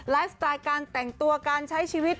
สไตล์การแต่งตัวการใช้ชีวิต